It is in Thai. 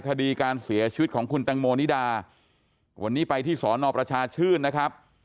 คดีการเสียชีวิตของคุณแตงโมนิดาวันนี้ไปที่สอนอประชาชื่นนะครับ